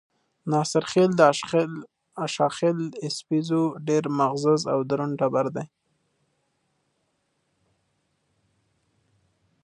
ناصرخېل د اشاخېل ايسپزو ډېر معزز او درون ټبر دے۔